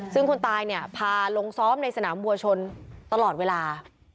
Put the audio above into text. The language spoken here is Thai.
ซึ่งคนตายเนี่ยพาลงซ้อมในสนามบัวชนตลอดเวลา